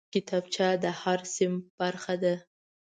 کتابچه د هر صنف برخه ده